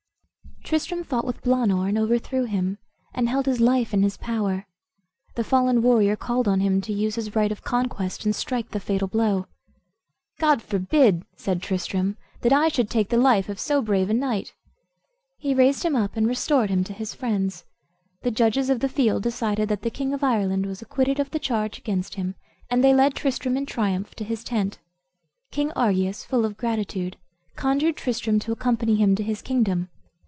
Tristram fought with Blaanor, and overthrew him, and held his life in his power. The fallen warrior called on him to use his right of conquest, and strike the fatal blow. "God forbid," said Tristram, "that I should take the life of so brave a knight!" He raised him up and restored him to his friends. The judges of the field decided that the king of Ireland was acquitted of the charge against him, and they led Tristram in triumph to his tent. King Argius, full of gratitude, conjured Tristram to accompany him to his kingdom.